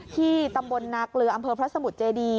ที่ตำบลนาเกลืออำเภอพระสมุทรเจดี